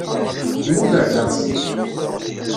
Tmugger-d aɣsi.